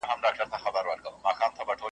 دفاع دا ټول هغه ډګرونه وو